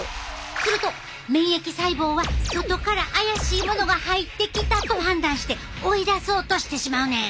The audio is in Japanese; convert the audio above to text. すると免疫細胞は外から怪しいものが入ってきたと判断して追い出そうとしてしまうねん。